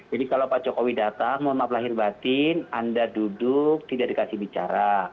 jadi kalau pak jokowi datang mohon maaf lahir batin anda duduk tidak dikasih bicara